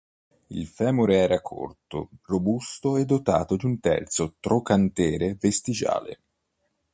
Il femore era corto, robusto e dotato di un terzo trocantere vestigiale.